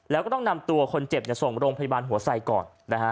แล้วก็ต้องนำตัวคนเจ็บส่งโรงพยาบาลหัวไสก่อนนะฮะ